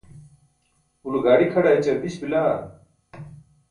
ulo gaaḍi kʰaḍa ećar diś bila?